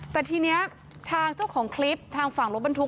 แต่ทีนี้ทางเจ้าของคลิปทางฝั่งรถบรรทุก